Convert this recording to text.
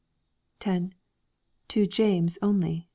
10. To James only.